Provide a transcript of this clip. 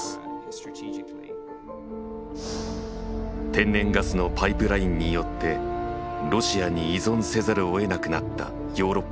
天然ガスのパイプラインによってロシアに依存せざるをえなくなったヨーロッパの国々。